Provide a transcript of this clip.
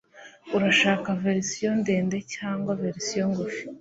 urashaka verisiyo ndende cyangwa verisiyo ngufi